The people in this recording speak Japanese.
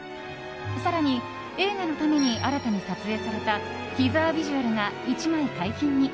更に映画のために新たに撮影されたティザービジュアルが１枚、解禁に。